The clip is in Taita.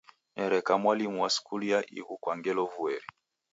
Nereka mwalimu wa skulu ya ighu kwa ngelo vueri.